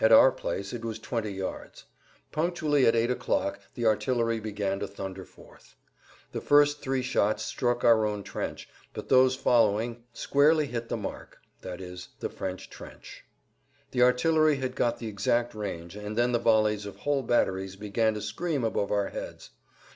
At our place it was twenty yards. Punctually at eight o'clock the artillery began to thunder forth. The first three shots struck our own trench, but those following squarely hit the mark, i.e., the French trench. The artillery had got the exact range and then the volleys of whole batteries began to scream above our heads.